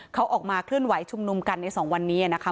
เขาออกมาเคลื่อนไหวชุมนุมกันใน๒วันนี้นะคะ